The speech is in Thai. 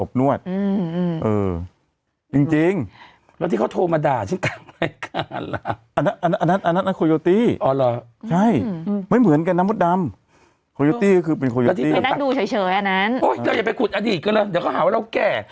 บนต้นหน้าฉันก็เรียกว่าเที่ยวอะไร